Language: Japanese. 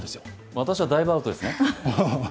私はだいぶアウトですね。